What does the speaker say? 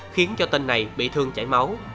khiến cho tên này bị thương chảy máu